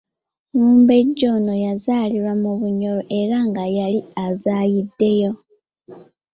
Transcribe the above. Omumbejja ono yazaalirwa mu Bunyoro era nga yali azaayiddeyo.